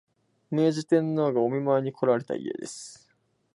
明治天皇がお見舞いにこられた家です